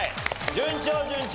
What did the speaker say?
順調順調。